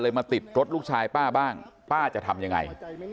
มาติดรถลูกชายป้าบ้างป้าจะทำยังไง